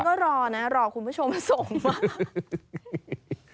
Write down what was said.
ก็รอนะรอคุณผู้ชมส่งมา